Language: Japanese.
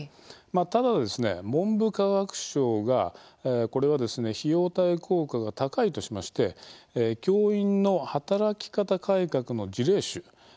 ただ、文部科学省がこれは費用対効果が高いとしまして教員の働き方改革の事例集